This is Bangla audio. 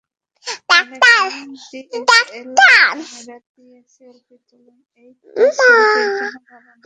অনেকেই ডিএসএলআর ক্যামেরা দিয়ে সেলফি তোলেন, এটা সেলফির জন্য ভালো নয়।